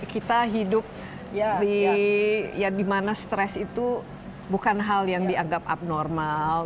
kita hidup di mana stres itu bukan hal yang dianggap abnormal